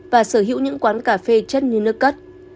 và sở hữu những quán cà phê chất như nước cắt